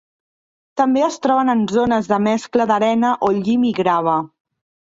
També es troben en zones de mescla d'arena o llim i grava.